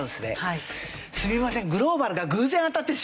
すみません。